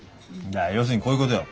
要するにこういうことよ。